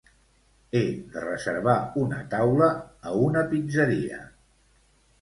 He de reservar una taula a una pizzeria.